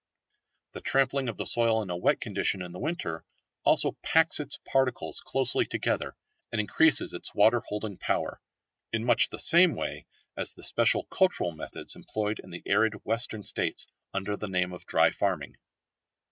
The trampling of the soil in a wet condition in the winter also packs its particles closely together, and increases its water holding power, in much the same way as the special cultural methods employed in the arid western States under the name of dry farming.